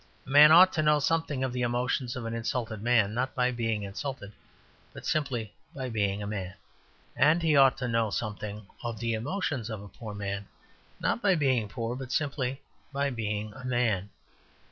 A man ought to know something of the emotions of an insulted man, not by being insulted, but simply by being a man. And he ought to know something of the emotions of a poor man, not by being poor, but simply by being a man.